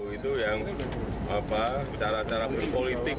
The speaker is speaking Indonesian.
itu yang cara cara berpolitik